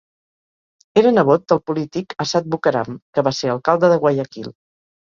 Era nebot del polític Assad Bucaram, que va ser alcalde de Guayaquil.